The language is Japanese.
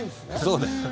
そうです。